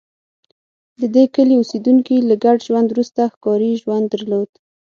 د دې کلي اوسېدونکي له ګډ ژوند وروسته ښکاري ژوند درلود